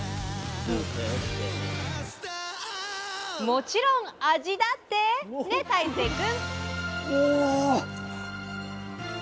もちろん味だってね大聖君！